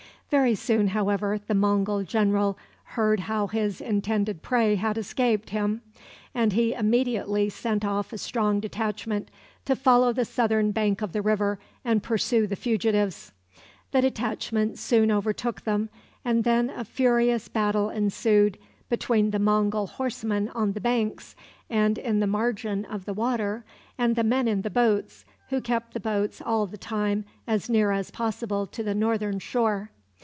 Very soon, however, the Mongul general heard how his intended prey had escaped him, and he immediately sent off a strong detachment to follow the southern bank of the river and pursue the fugitives. The detachment soon overtook them, and then a furious battle ensued between the Mongul horsemen on the banks and in the margin of the water and the men in the boats, who kept the boats all the time as near as possible to the northern shore.